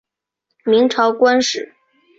明朝官吏。